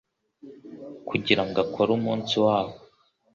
kugirango akore umunsi wabo